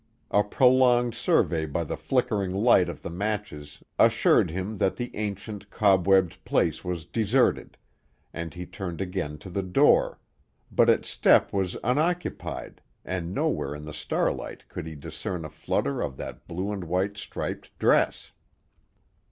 A prolonged survey by the flickering light of the matches assured him that the ancient, cobwebbed place was deserted, and he turned again to the door, but its step was unoccupied and nowhere in the starlight could he discern a flutter of that blue and white striped dress.